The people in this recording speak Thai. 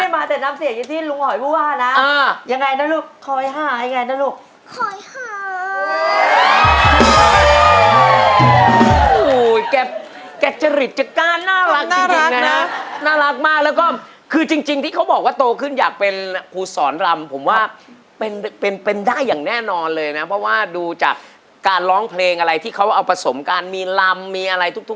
เค้าไม่ได้มาแต่นำเสียงที่ลุงหอยพูดว่านะยังไงนะลูกคอยหายยังไงนะลูก